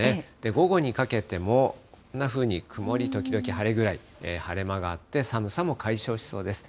午後にかけてもこんなふうに曇り時々晴れぐらい、晴れ間があって、寒さも解消しそうです。